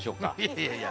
いやいや。